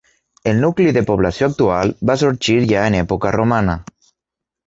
El nucli de població actual va sorgir ja en època romana.